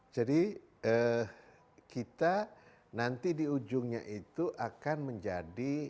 jadi kita nanti di ujungnya itu akan menjadi